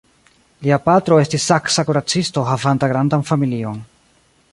Lia patro estis saksa kuracisto havanta grandan familion.